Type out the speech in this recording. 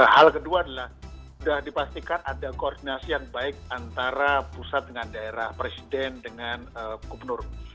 hal kedua adalah sudah dipastikan ada koordinasi yang baik antara pusat dengan daerah presiden dengan gubernur